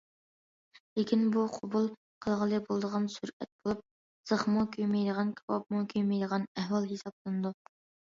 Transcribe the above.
لېكىن، بۇ قوبۇل قىلغىلى بولىدىغان سۈرئەت بولۇپ،‹‹ زىخمۇ كۆيمەيدىغان، كاۋاپمۇ كۆيمەيدىغان›› ئەھۋال ھېسابلىنىدۇ.